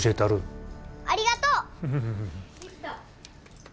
ありがとう！